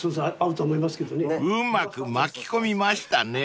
［うまく巻き込みましたね］